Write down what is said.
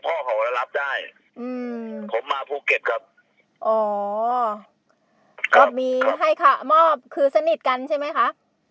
พ่อเขาก็รับได้อืมผมมาภูเก็ตครับอ๋อก็มีให้ค่ะมอบคือสนิทกันใช่ไหมคะ